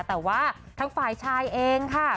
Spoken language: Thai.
แต่ว่าทางฝ่ายชายเองค่ะ